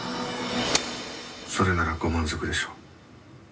「それならご満足でしょう」